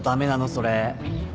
それ。